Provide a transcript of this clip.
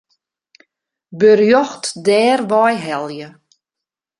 Berjocht dêrwei helje.